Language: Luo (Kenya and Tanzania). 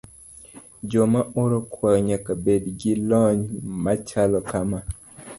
Joma oro kwayo nyaka bed gi lony machalo kama.